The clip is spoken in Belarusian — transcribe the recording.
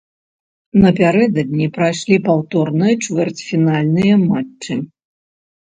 Напярэдадні прайшлі паўторныя чвэрцьфінальныя матчы.